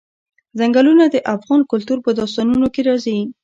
ځنګلونه د افغان کلتور په داستانونو کې راځي.